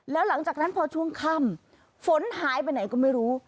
แล้วหลังจากนั้นพอช่วงค่ำฝนหายไปไหนก็ไม่รู้